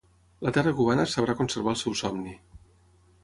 La terra cubana sabrà conservar el seu somni.